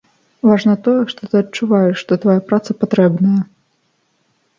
Важна тое, што ты адчуваеш, што твая праца патрэбная.